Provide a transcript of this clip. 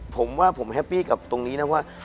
ผมว่าผมแฮปปี้กับตรงนี้นะว่า